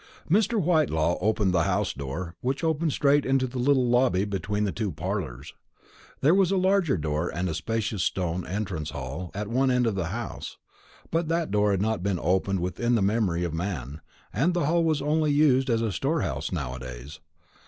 Mr. Whitelaw opened the house door, which opened straight into a little lobby between the two parlours. There was a larger door and a spacious stone entrance hall at one end of the house; but that door had not been opened within the memory of man, and the hall was only used as a storehouse now a days.